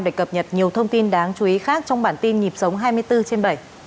để cập nhật nhiều thông tin đáng chú ý khác trong bản tin nhịp sống hai mươi bốn trên bảy